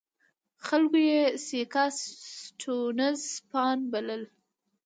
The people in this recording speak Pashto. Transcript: خلکو یې سیاکا سټیونز سپیان بلل.